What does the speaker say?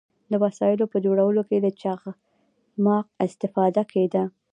د وسایلو په جوړولو کې له چخماق استفاده کیده.